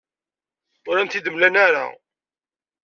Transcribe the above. Ur am-t-id-mlan ara.